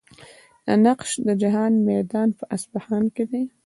د نقش جهان میدان په اصفهان کې دی.